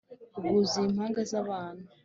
rwuzuye impanga z' abantu